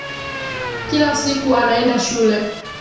Kila siku anaenda shule